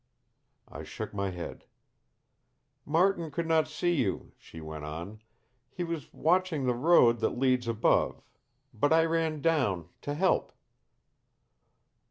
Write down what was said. I shook my head. "Martin could not see you," she went on. "He was watching the road that leads above. But I ran down to help."